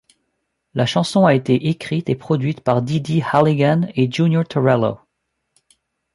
La chanson a été écrite et produite par Dee Dee Halligan et Junior Torello.